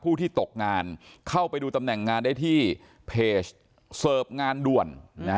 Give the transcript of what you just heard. ที่ตกงานเข้าไปดูตำแหน่งงานได้ที่เพจเสิร์ฟงานด่วน